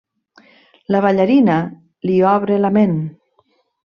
La ballarina li obre la ment.